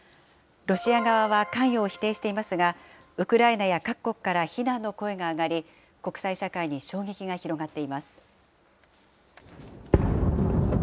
ロシア側は関与を否定していますが、ウクライナや各国から非難の声が上がり、国際社会に衝撃が広がっています。